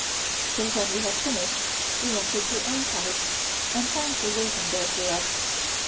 So when we had finished we entered her own Palace and found her waiting there for us.